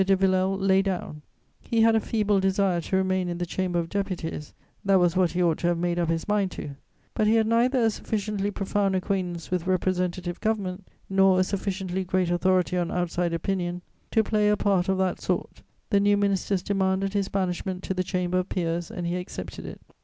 de Villèle lay down: he had a feeble desire to remain in the Chamber of Deputies; that was what he ought to have made up his mind to, but he had neither a sufficiently profound acquaintance with representative government nor a sufficiently great authority on outside opinion to play a part of that sort: the new ministers demanded his banishment to the Chamber of Peers and he accepted it.